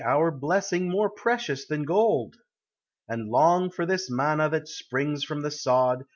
Our blessing more precious than gold! And long for this manna that springs from the sod 270 POEMS OF NATURE.